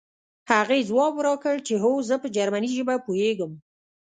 هغې ځواب راکړ چې هو زه په جرمني ژبه پوهېږم